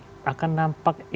tentunya psi akan nampak ini